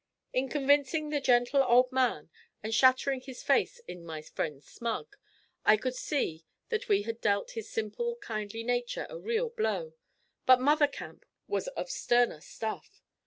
In convincing the gentle old man, and shattering his faith in my friend Smug, I could see that we had dealt his simple, kindly nature a real blow, but Mother Camp was of sterner stuff.